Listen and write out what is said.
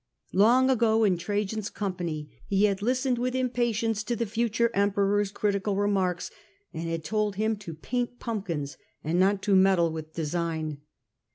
Long ago in Trajan's company he had listened with impatience to the future Emperor's critical remarks, and had told him to paint pumpkins and not to meddle with design.